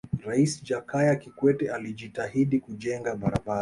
raisi jakaya kikwete alijitahidi kujenga barabara